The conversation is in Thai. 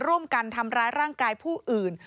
ร่วมกันทำร้ายร่างกายผู้อื่น